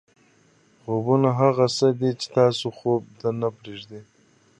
خوبونه هغه څه دي چې تاسو خوب ته نه پرېږدي.